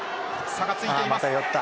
差がついています。